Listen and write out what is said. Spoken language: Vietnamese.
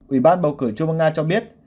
ủy ban bầu cử chung với nga cho biết